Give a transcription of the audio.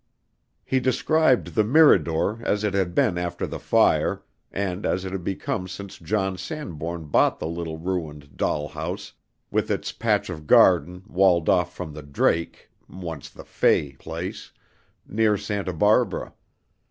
He described the Mirador as it had been after the fire, and as it had become since John Sanbourne bought the little ruined "doll house" with its patch of garden walled off from the Drake (once the Fay) place, near Santa Barbara.